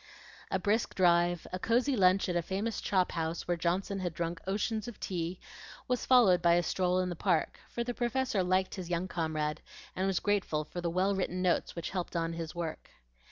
A brisk drive, a cosy lunch at a famous chop house where Johnson had drunk oceans of tea, was followed by a stroll in the Park; for the Professor liked his young comrade, and was grateful for the well written notes which helped on his work.